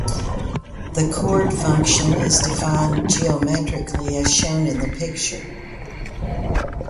The chord function is defined geometrically as shown in the picture.